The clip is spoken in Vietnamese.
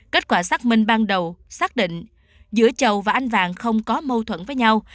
kết quả sát minh ban đầu xác định giữa chầu và anh vàng không có mâu thuẫn với nhau